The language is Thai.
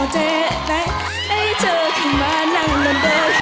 อ๋อเจ๊ได้เจอขึ้นมานั่งนั่นด้วย